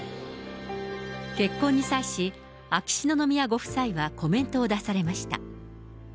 結婚に際し、秋篠宮ご夫妻はコメントを出されました。